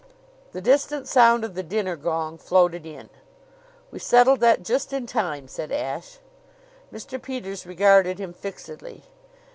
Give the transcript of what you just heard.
The distant sound of the dinner gong floated in. "We settled that just in time," said Ashe. Mr. Peters regarded him fixedly.